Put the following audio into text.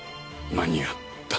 間に合った。